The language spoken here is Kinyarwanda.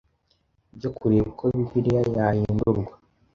byo kureba uko Bibiliya yahindurwa